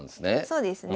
そうですね。